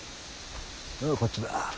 こっちだ。